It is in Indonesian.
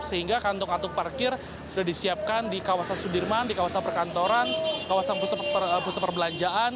sehingga kantong kantong parkir sudah disiapkan di kawasan sudirman di kawasan perkantoran kawasan pusat perbelanjaan